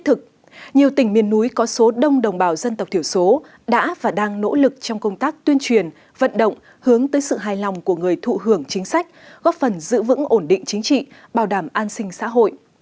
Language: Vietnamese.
nhiều tỉnh miền núi có số đông đồng bào dân tộc thiểu số đã và đang nỗ lực trong công tác tuyên truyền vận động hướng tới sự hài lòng của người thụ hưởng chính sách góp phần giữ vững ổn định chính trị bảo đảm an sinh xã hội